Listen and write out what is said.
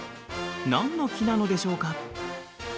何の木なのでしょうか？